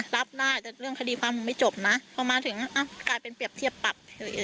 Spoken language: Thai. เรื่องคดีความมึงไม่จบนะพอมาถึงกลายเป็นเปรียบเทียบปรับ